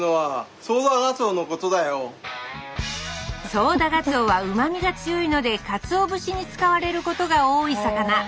ソウダガツオはうまみが強いのでかつお節に使われることが多い魚。